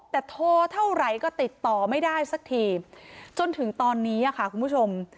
แต่โทรเท่าไหร่ก็ติดต่อไม่ได้สักทีจนถึงตอนนี้ค่ะคุณผู้ชม